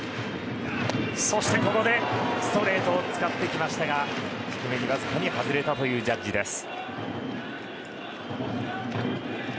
そしてここでストレートを使ってきましたが低めに、わずかに外れたというジャッジです。